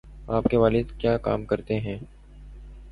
آپ کے والد کیا کام کرتے ہیں